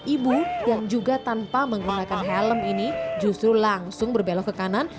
ibu yang juga tanpa menggunakan helm ini justru langsung berbelok ke kanan